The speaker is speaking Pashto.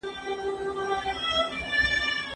سیاستوالو به سیاسي ستونزي حل کولې.